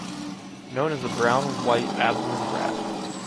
Known as a brown-white abdomen rat.